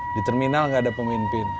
di terminal nggak ada pemimpin